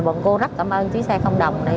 bọn cô rất cảm ơn chuyến xe không đồng